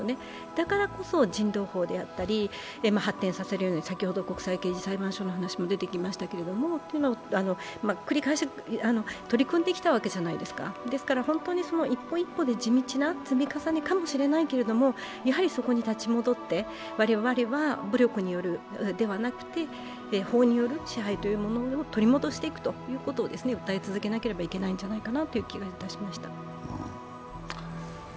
だからこそ人道法であったり、発展させるように、先ほど、国際刑事裁判所の話も出てきましたけど繰り返し取り組んできたわけじゃないですかですから本当に一歩一歩地道な積み重ねかもしれないけれども、そこに立ち戻って我々は武力ではなく法による支配を取り戻していくということを訴え続けなければいけないんじゃないかなという気がしました。